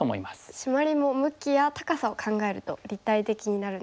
シマリも向きや高さを考えると立体的になるんですね。